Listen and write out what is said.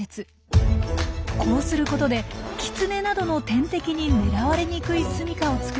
こうすることでキツネなどの天敵に狙われにくい住みかを作るんです。